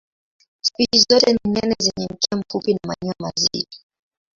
Spishi zote ni nene zenye mkia mfupi na manyoya mazito.